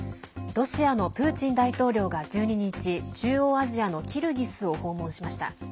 ロシアのプーチン大統領が１２日、中央アジアのキルギスを訪問しました。